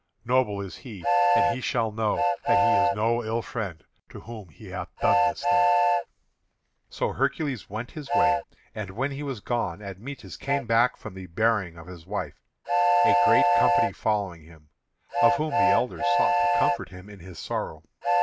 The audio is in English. Noble is he, and he shall know that he is no ill friend to whom he hath done this thing." So Hercules went his way. And when he was gone Admetus came back from the burying of his wife, a great company following him, of whom the elders sought to comfort him in his sorrow.